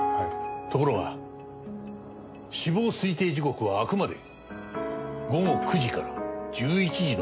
ところが死亡推定時刻はあくまで午後９時から１１時の間なんだ。